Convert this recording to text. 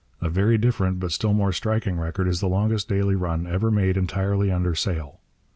A very different, but still more striking, record is the longest daily run ever made entirely under sail.